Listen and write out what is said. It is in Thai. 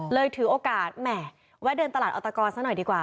ถือโอกาสแหม่แวะเดินตลาดอัตกรซะหน่อยดีกว่า